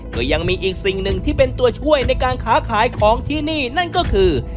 ก็ยังมีอีกสิ่งหนึ่งที่เป็นตัวช่วยในการค้าขายของที่นี่นั่นก็คือ